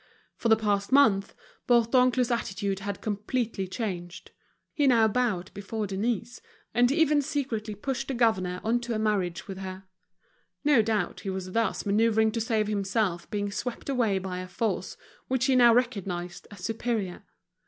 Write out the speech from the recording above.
For the past month Bourdoncle's attitude had completely changed; he now bowed before Denise, and even secretly pushed the governor on to a marriage with her. No doubt he was thus manoeuvring to save himself being swept away by a force which he now recognized as superior.